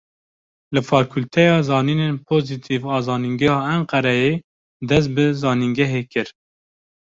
Li fakûlteya zanînên pozîtîv a Zanîngeha Enqereyê dest bi zanîngehê kir.